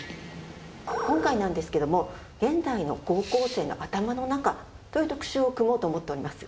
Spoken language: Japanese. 今回なんですけども「現代の高校生の頭の中」という特集を組もうと思っております